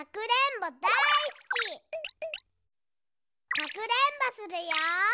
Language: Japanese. かくれんぼするよ。